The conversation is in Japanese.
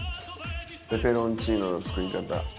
ペペロンチーノの作り方。